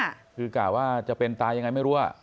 คือกะว่าจะเป็นตายยังไงไม่รู้อ่ะ